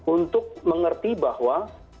untuk mengerti bahwa